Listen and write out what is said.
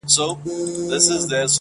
لا به دي غوغا د حسن پورته سي کشمیره,